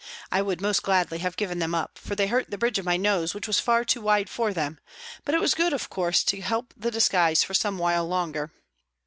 I would most gladly have given them up, for they hurt the bridge of my nose which was far too wide for them, but it was good, of course, to help the disguise for some while longer.